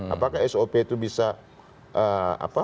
apakah sop itu bisa